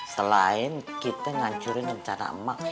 selain kita ngancurin rencana emak